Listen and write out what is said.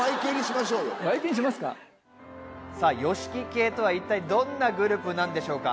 ＹＯＳＨＩＫＩ系とは一体どんなグループなんでしょうか。